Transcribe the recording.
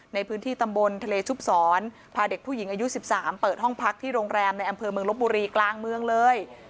ในพื้นที่ตำบลทะเลชุบศรพาเด็กผู้หญิงอายุ๑๓เปิดห้องพักที่โรงแรมในอำเภอเมืองลบบุรีกลางเมืองเลย